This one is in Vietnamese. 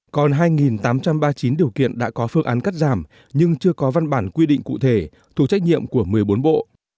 còn hai tám trăm ba mươi chín điều kiện đã có phương án cắt giảm nhưng chưa có văn bản quy định cụ thể thuộc trách nhiệm của một mươi bốn bộ